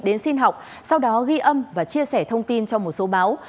đến xin học sau đó ghi âm và chia sẻ thông tin cho một số báo